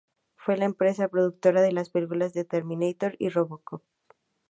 Fue la empresa productora de las películas de "Terminator" y "Robocop".